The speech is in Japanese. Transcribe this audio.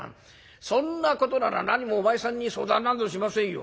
そんなことならなにもお前さんに相談なんぞしませんよ。